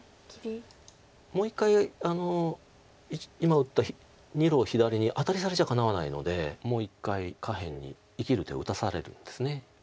もう一回今打った２路左にアタリされちゃかなわないのでもう一回下辺に生きる手を打たされるんです。